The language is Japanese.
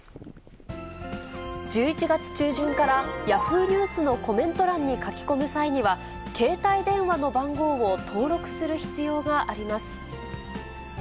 １１月中旬からヤフーニュースのコメント欄に書き込む際には、携帯電話の番号を登録する必要があります。